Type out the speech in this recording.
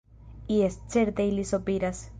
Jes, certe ili sopiras.